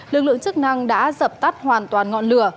lực lượng chức năng đã dập tắt hoàn toàn ngọn lửa